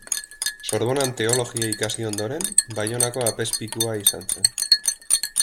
Sorbonan teologia ikasi ondoren, Baionako apezpikua izan zen.